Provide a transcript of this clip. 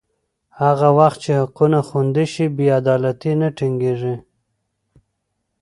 هغه وخت چې حقونه خوندي شي، بې عدالتي نه ټینګېږي.